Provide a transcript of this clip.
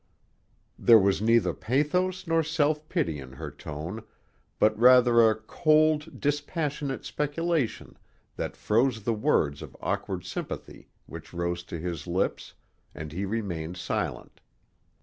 There was neither pathos nor self pity in her tone, but rather a cold, dispassionate speculation that froze the words of awkward sympathy which rose to his lips, and he remained silent.